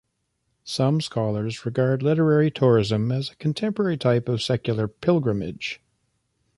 Some scholars regard literary tourism as a contemporary type of secular pilgrimage.